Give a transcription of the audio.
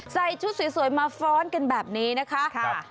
ใส่ชุดสวยมาฟ้อนกันแบบนี้นะคะ